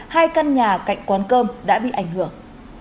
hai căn nhà cạnh quán cơm đã bị ảnh hưởng